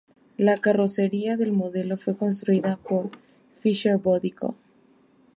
La carrocería del modelo fue construida por "Fisher Body Co".